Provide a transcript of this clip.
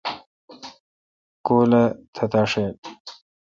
کول اہ۔ تتاشیل